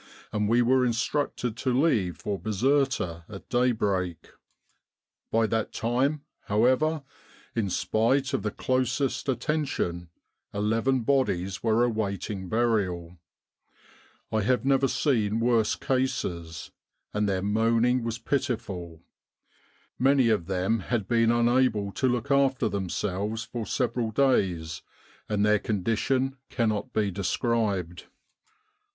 and we were instructed to leave for Bizerta at daybreak. By that time, however, in spite of the closest attention, 43 With the R.A.M.C. in Egypt eleven bodies were awaiting burial. I have never seen worse cases, and their moaning was pitiful; many of them had been unable to look after themselves for several days, and their condition cannot be described.